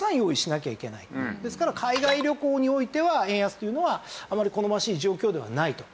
ですから海外旅行においては円安というのはあまり好ましい状況ではないと。